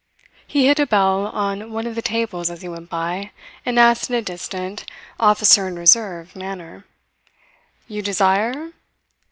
He hit a bell on one of the tables as he went by, and asked in a distant, Officer in Reserve manner: "You desire?"